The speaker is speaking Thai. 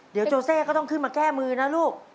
เดี๋ยวโจเซ่ก็ต้องขึ้นมาแก้มือนะลูก